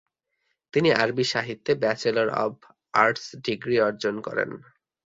তিনি আরবি সাহিত্যে ব্যাচেলর অব আর্টস ডিগ্রি অর্জন করেন।